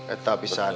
eh tapi san